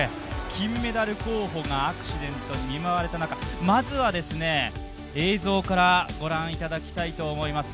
金メダル候補がアクシデントに見舞われた中まずは映像からご覧いただきたいと思います。